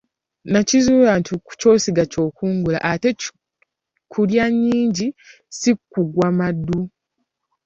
Nakizuula nti ky'osiga ky'okungula, ate kulya nnyingi ssi kuggwa maddu.